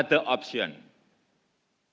kita tidak ada pilihan lain